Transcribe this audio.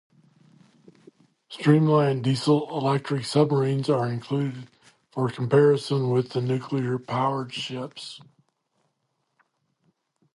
Streamlined diesel-electric submarines are included for comparison with the nuclear-powered ships.